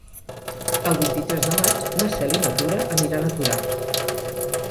El vint-i-tres de maig na Cel i na Tura aniran a Torà.